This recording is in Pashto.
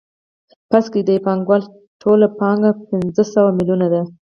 فرض کړئ د یو پانګوال ټوله پانګه پنځه سوه میلیونه ده